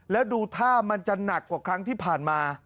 แล้วดูท่ามันจะหนักกว่าครั้งที่ผ่านมา